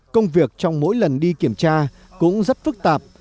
công việc trong mỗi lần đi kiểm tra cũng rất phức tạp